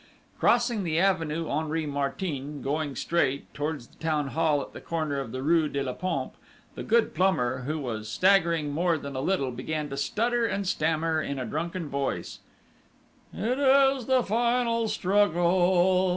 Crossing the avenue Henri Martin, going straight, towards the town hall at the corner of the rue de la Pompe, the good plumber, who was staggering more than a little, began to stutter and stammer in a drunken voice: "_It is the final struggle!